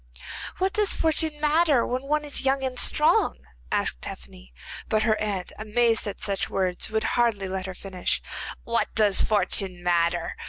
'What does fortune matter when one is young and strong?' asked Tephany, but her aunt, amazed at such words, would hardly let her finish. 'What does fortune matter?